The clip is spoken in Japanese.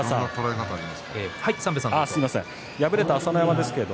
敗れた朝乃山です。